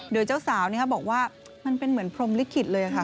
โดยเจ้าสาวบอกว่ามันเป็นเหมือนพรมลิขิตเลยค่ะ